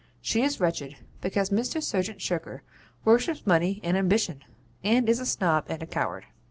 She is wretched because Mr. Serjeant Shirker worships money and ambition, and is a Snob and a coward.